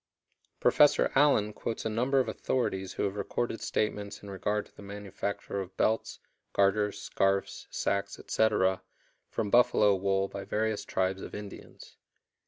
Professor Allen quotes a number of authorities who have recorded statements in regard to the manufacture of belts, garters, scarfs, sacks, etc., from buffalo wool by various tribes of Indians.